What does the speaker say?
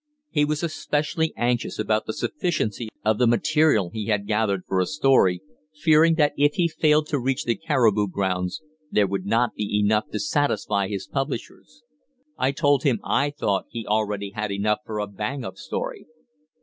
He was especially anxious about the sufficiency of the material he had gathered for a story, fearing that if he failed to reach the caribou grounds there would not be enough to satisfy his publishers. I told him I thought he already had enough for a "bang up" story.